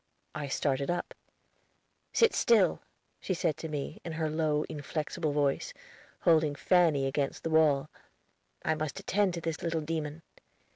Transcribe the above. I started up. "Sit still," she said to me, in her low, inflexible voice, holding Fanny against the wall. "I must attend to this little demon.